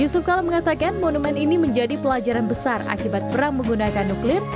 yusuf kala mengatakan monumen ini menjadi pelajaran besar akibat perang menggunakan nuklir